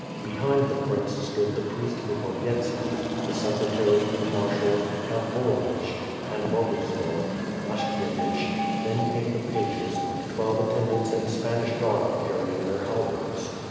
Behind the prince stood the priest Mukhovietski, the Secre tary, the marshal, .Count Voronich, Pan Loguslav, Mashkie vich; then came the pages, and twelve attendants in Spanish garb carrying their halberds.